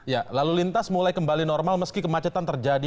ya lalu lintas mulai kembali normal meski kemacetan terjadi